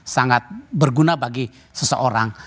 sangat berguna bagi seseorang